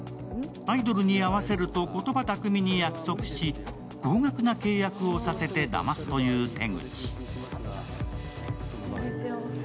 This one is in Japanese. アイドルに会わせると言葉巧みに約束し、高額な契約をさせただますという手口。